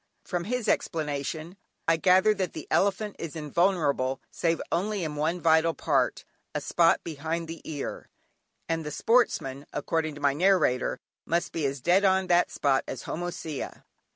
From his explanation, I gathered that the elephant is invulnerable save only in one vital part, a spot behind the ear, and the sportsman (according to my narrator) must be as dead on that spot as "Homocea."